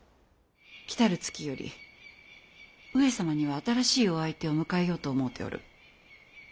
来る月より上様には新しいお相手を迎えようと思うておる。